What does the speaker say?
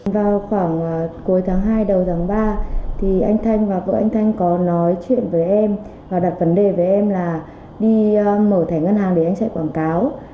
vào khoảng cuối tháng hai đầu tháng ba thì anh thanh và vợ anh thanh có nói chuyện với em và đặt vấn đề với em là đi mở thẻ ngân hàng để anh chạy quảng cáo